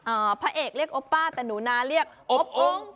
อ่าพระเอกเรียกอบป้าแต่หนูนาเรียกอบอ้อง